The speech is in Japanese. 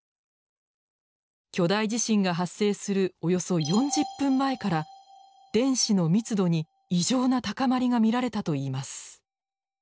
巨大地震が発生するおよそ４０分前から電子の密度に異常な高まりが見られたといいます。